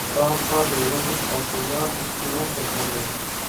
دا کار يوازي چاپېريال نه ککړوي،